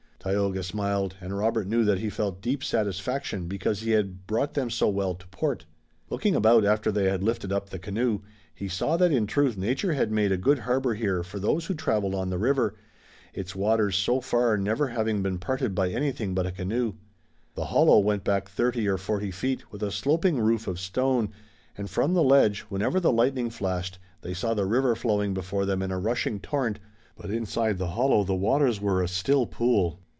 Tayoga smiled, and Robert knew that he felt deep satisfaction because he had brought them so well to port. Looking about after they had lifted up the canoe, he saw that in truth nature had made a good harbor here for those who traveled on the river, its waters so far never having been parted by anything but a canoe. The hollow went back thirty or forty feet with a sloping roof of stone, and from the ledge, whenever the lightning flashed, they saw the river flowing before them in a rushing torrent, but inside the hollow the waters were a still pool.